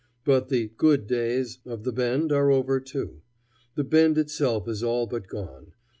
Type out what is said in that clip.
But the "good days" of the Bend are over, too. The Bend itself is all but gone.